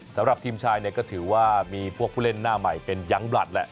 สำหรับทีมชายเนี่ยก็ถือว่ามีพวกผู้เล่นหน้าใหม่เป็นยังบลัดแหละ